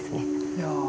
いや。